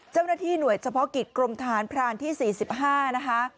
เจ้าหน้าที่หน่วยเฉพาะกิจกรมทหารพรานที่๔๕นะคะ